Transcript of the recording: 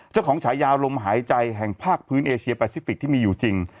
ฉายาลมหายใจแห่งภาคพื้นเอเชียแปซิฟิกที่มีอยู่จริง